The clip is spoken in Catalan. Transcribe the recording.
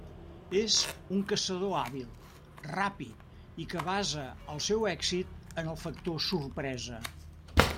És un caçador hàbil, ràpid i que basa el seu èxit en el factor sorpresa.